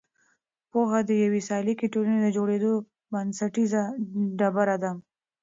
پوهه د یوې سالکې ټولنې د جوړېدو بنسټیزه ډبره ده.